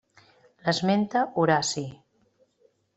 L'esmenta Horaci.